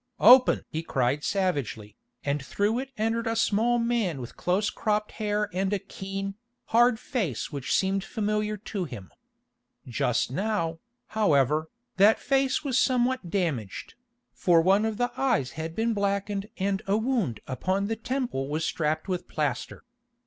"Open!" he cried savagely, and through it entered a small man with close cropped hair and a keen, hard face which seemed familiar to him. Just now, however, that face was somewhat damaged, for one of the eyes had been blackened and a wound upon the temple was strapped with plaster.